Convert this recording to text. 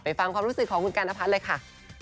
ไปฟังความรู้สึกของคุณกัลนภัทรเลยค่ะ